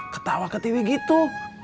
ketawa ke tewi gitu